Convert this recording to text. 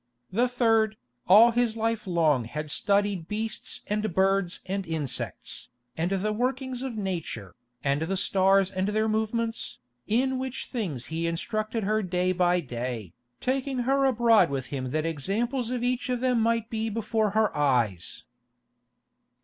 The third, all his life long had studied beasts and birds and insects, and the workings of nature, and the stars and their movements, in which things he instructed her day by day, taking her abroad with him that examples of each of them might be before her eyes.